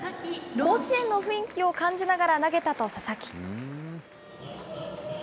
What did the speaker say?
甲子園の雰囲気を感じながら投げたと佐々木。